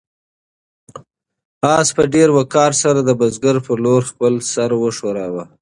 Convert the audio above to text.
آس په ډېر وقار سره د بزګر په لور خپل سر وښوراوه.